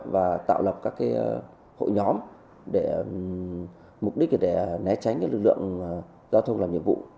và tạo lập các hội nhóm để mục đích để né tránh lực lượng giao thông làm nhiệm vụ